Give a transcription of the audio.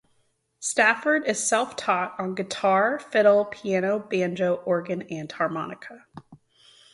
Stafford is self-taught on guitar, fiddle, piano, banjo, organ and harmonica.